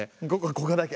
ここだけ。